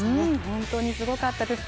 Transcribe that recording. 本当にすごかったです